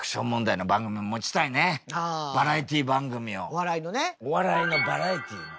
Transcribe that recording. お笑いのバラエティーの。